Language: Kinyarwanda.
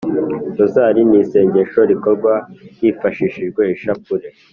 rozari ni isengesho rikorwa hifashishijwe ishapule.